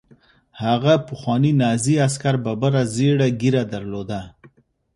هغه پخواني نازي عسکر ببره زیړه ږیره درلوده